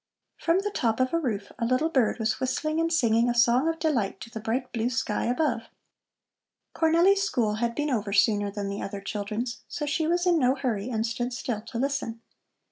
From the top of a roof a little bird was whistling and singing a song of delight to the bright blue sky above. Cornelli's school had been over sooner than the other children's, so she was in no hurry and stood still to listen.